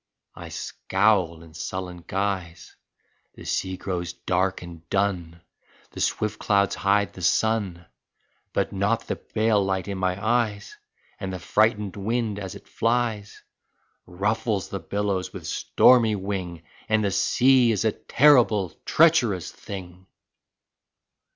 I scowl in sullen guise — The sea grows dark and dun. The swift clouds hide the sun But not the bale light in my eyes. And the frightened wind as it flies Ruflles the billows with stormy wing, And the sea is a terrible, treacherous thing!